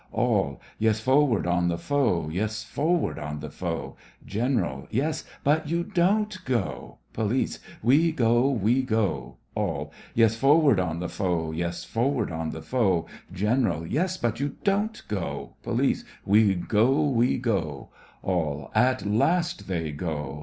ALL: Yes, forward on the foe! Yes, forward on the foe! GENERAL: Yes, but you don't go! POLICE: We go, we go ALL: Yes, forward on the foe! Yes, forward on the foe! GENERAL: Yes, but you don't go! POLICE: We go, we go ALL: At last they go!